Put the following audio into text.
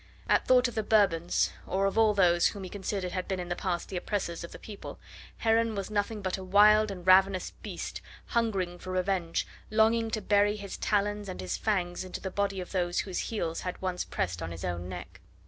At thought of the Bourbons, or of all those whom he considered had been in the past the oppressors of the people, Heron was nothing but a wild and ravenous beast, hungering for revenge, longing to bury his talons and his fangs into the body of those whose heels had once pressed on his own neck.